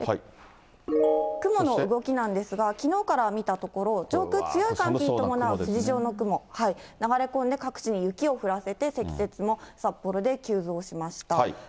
雲の動きなんですが、きのうから見たところ、上空、強い寒気に伴う筋状の雲、流れ込んで、各地に雪を降らせて積雪も札幌で急増しました。